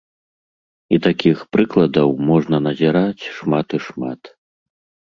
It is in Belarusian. І такіх прыкладаў можна назіраць шмат і шмат.